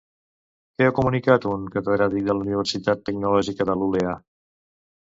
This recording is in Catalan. Què ha comunicat un catedràtic de la Universitat Tecnològica de Lulea?